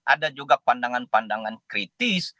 ada juga pandangan pandangan kritis